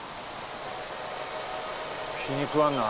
気に食わんな。